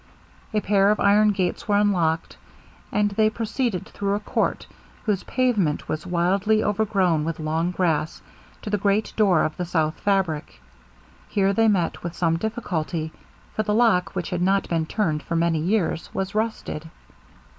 A pair of iron gates were unlocked, and they proceeded through a court, whose pavement was wildly overgrown with long grass, to the great door of the south fabric. Here they met with some difficulty, for the lock, which had not been turned for many years, was rusted.